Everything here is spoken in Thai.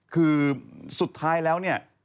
คือสุดท้ายแล้ว